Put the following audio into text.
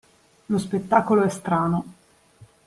Lo spettacolo è strano.